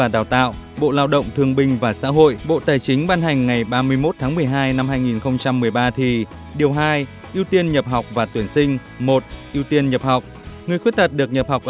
đối với người khuyết tật